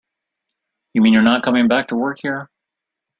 You mean you're not coming back to work here?